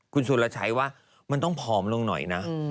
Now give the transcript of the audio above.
คุณสุรชัยว่ามันต้องผอมลงหน่อยนะ